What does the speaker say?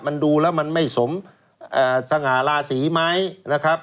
มันดูแล้วมันไม่สมสง่าราศีไหมนะครับ